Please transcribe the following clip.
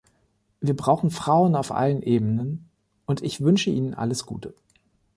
Wir brauchen Frauen auf allen Ebenen, und ich wünsche ihnen alles Gute.